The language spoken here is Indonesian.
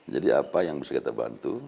jadi apa yang bisa kita bantu